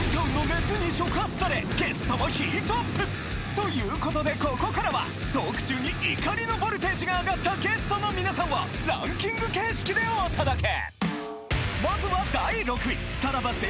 ということでここからはトーク中に怒りのボルテージが上がったゲストの皆さんをランキング形式でお届け！